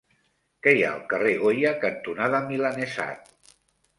Què hi ha al carrer Goya cantonada Milanesat?